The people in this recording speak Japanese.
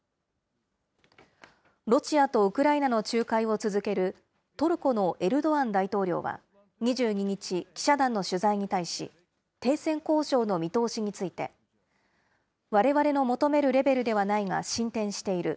ロシアとウクライナの仲介を続けるトルコのエルドアン大統領は２２日、記者団の取材に対し、停戦交渉の見通しについて、われわれの求めるレベルではないが進展している。